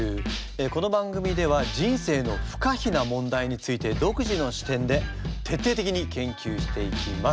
この番組では人生の不可避な問題について独自の視点で徹底的に研究していきます。